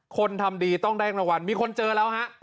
คนทำดีต้องได้รางวัลมีคนเจอแล้วฮะ